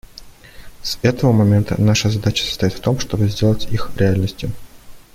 С этого момента наша задача состоит в том, чтобы сделать их реальностью.